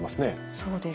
そうですね。